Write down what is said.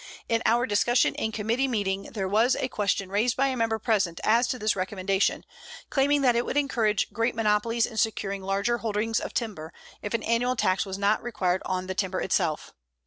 In our discussion in committee meeting there was a question raised by a member present as to this recommendation, claiming that it would encourage great monopolies in securing larger holdings of timber, if an annual tax was not required on the timber itself.